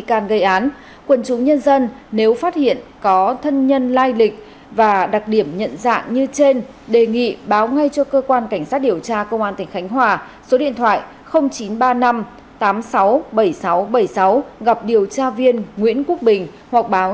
cơ quan cảnh sát điều tra công an tp phủ lý quyết định truy tìm đối tượng phụ nữ tử vong